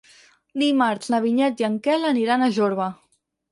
Dimarts na Vinyet i en Quel aniran a Jorba.